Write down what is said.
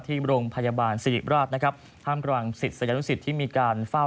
ที่โรงพยาบาลสิริราชนะครับท่ามกลางศิษยานุสิตที่มีการเฝ้า